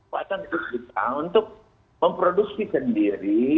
wakilnya harus kita untuk memproduksi sendiri